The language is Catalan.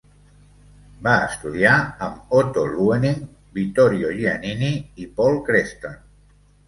Va estudiar amb Otto Luening, Vittorio Giannini i Paul Creston.